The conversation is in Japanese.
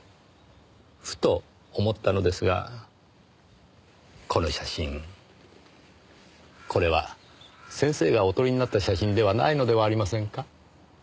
ふと思ったのですがこの写真これは先生がお撮りになった写真ではないのではありませんか？